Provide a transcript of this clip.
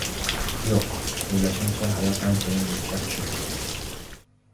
Yo‘q, o‘ylashimcha, hayot – anchayin yuksak tushuncha.